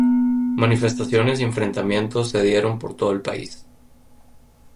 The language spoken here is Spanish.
Manifestaciones y enfrentamientos se dieron por todo el país.